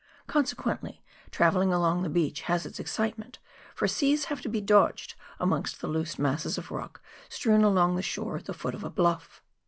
Consequently, travelling along the beach has its excitement, for seas have to be dodged amongst the loose masses of rock strewn along the shore at the foot of a bluff.